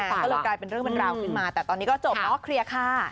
มันกลายเป็นเรื่องเป็นราวขึ้นมาแต่ตอนนี้ก็จบแล้ว